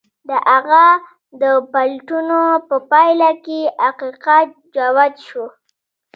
د هغه د پلټنو په پايله کې حقيقت جوت شو.